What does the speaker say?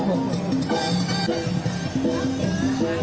กลับมาเท่าไหร่